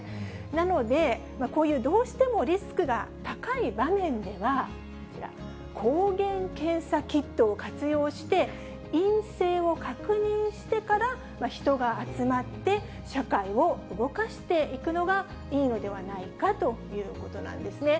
なので、こういうどうしてもリスクが高い場面では、こちら、抗原検査キットを活用して、陰性を確認してから人が集まって、社会を動かしていくのがいいのではないかということなんですね。